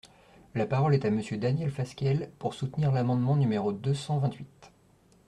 La parole est à Monsieur Daniel Fasquelle, pour soutenir l’amendement numéro deux cent vingt-huit.